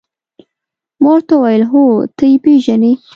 ما ورته وویل: هو، ته يې پېژنې؟